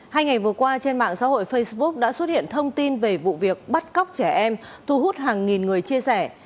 hai ngày vừa qua trên mạng xã hội facebook đã xuất hiện thông tin về vụ việc bắt cóc trẻ em thu hút hàng nghìn người chia sẻ